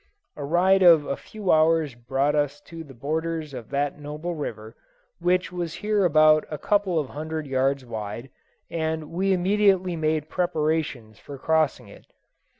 A ride of a few hours brought us to the borders of that noble river, which was here about a couple of hundred yards wide, and we immediately made preparations for crossing it.